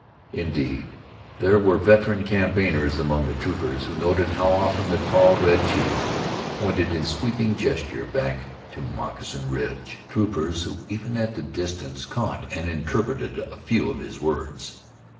Indeed there were veteran campaigners among the troopers who noted how often the tall red chief pointed in sweeping gesture back to Moccasin Ridge troopers who even at the distance caught and interpreted a few of his words.